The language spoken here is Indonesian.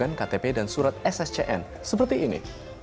dan juga menunjukkan ktp dan surat sccn seperti ini